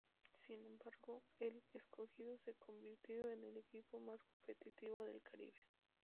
Sin embargo, el Escogido se convirtió en el equipo más competitivo del Caribe.